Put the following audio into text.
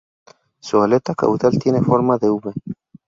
Su aleta caudal tiene forma de uve.